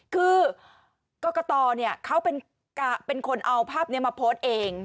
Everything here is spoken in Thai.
คือกกตเนี่ยเขาเป็นคนเอาภาพมาโพสต์เอง